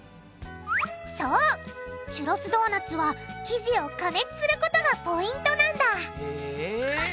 そうチュロスドーナツは生地を加熱することがポイントなんだへぇ。